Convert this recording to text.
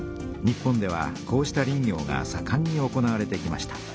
日本ではこうした林業がさかんに行われてきました。